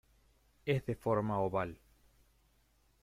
Es de forma oval.